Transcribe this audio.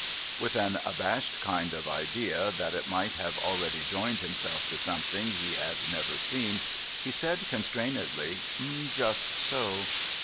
With an abashed kind of idea that it might have already joined himself to something he had never seen, he said constrainedly :' Just so.'